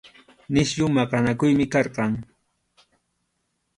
Nisyu maqanakuymi karqan.